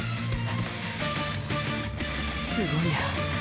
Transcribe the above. すごいや。